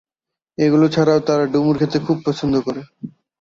এগুলো ছাড়াও তারা ডুমুর খেতে খুব পছন্দ করে।